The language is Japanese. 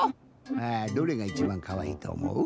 どれがいちばんかわいいとおもう？